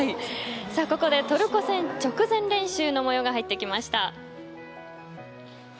さあ、ここでトルコ戦直前練習の模様が入ってきました。